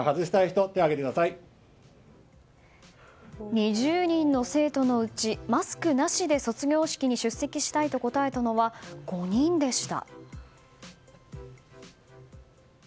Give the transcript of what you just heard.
２０人の生徒のうちマスクなしで卒業式に出席したいと答えたのは５人でした。